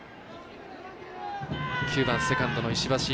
９番セカンドの石橋。